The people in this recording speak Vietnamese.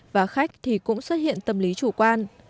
và khách thì cũng xuất hiện tâm lý chủ quan